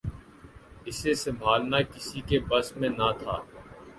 اسے سنبھالنا کسی کے بس میں نہ تھا